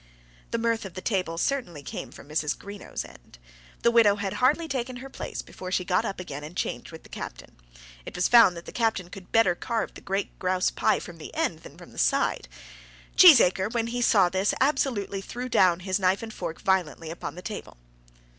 The mirth of the table certainly came from Mrs. Greenow's end. The widow had hardly taken her place before she got up again and changed with the captain. It was found that the captain could better carve the great grouse pie from the end than from the side. Cheesacre, when he saw this, absolutely threw down his knife and fork violently upon the table.